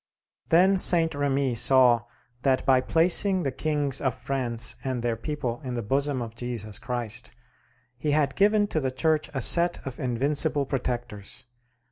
Then Saint Remi saw that by placing the kings of France and their people in the bosom of Jesus Christ, he had given to the Church a set of invincible protectors.